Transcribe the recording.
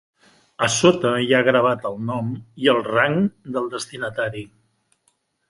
A sota hi ha gravat el nom i el rang del destinatari.